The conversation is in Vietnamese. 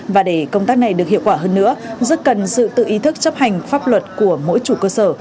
và để công tác này được hiệu quả hơn nữa rất cần sự tự ý thức chấp hành pháp luật của mỗi chủ cơ sở